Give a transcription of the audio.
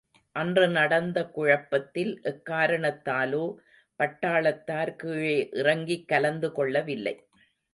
அன்று நடந்த குழப்பத்தில் எக்காரணத்தாலோ பட்டாளத்தார் கீழே இறங்கிக் கலந்து கொள்ளவில்லை.